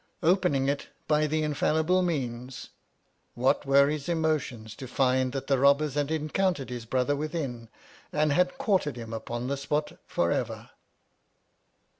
Opening it by the infallible means, what were his emotions to find that the robbers had encountered his brother within, and had quartered him upon the spot for ever